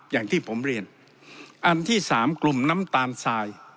อย่างที่ผมเรียนอันที่สามกลุ่มน้ำตาลทราย